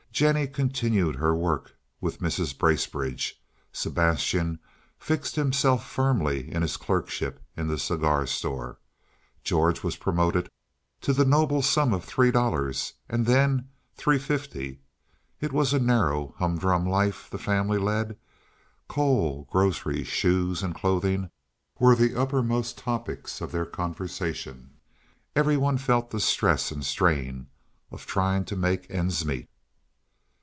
Jennie continued her work with Mrs. Bracebridge. Sebastian fixed himself firmly in his clerkship in the cigar store. George was promoted to the noble sum of three dollars, and then three fifty. It was a narrow, humdrum life the family led. Coal, groceries, shoes, and clothing were the uppermost topics of their conversation; every one felt the stress and strain of trying to make ends meet.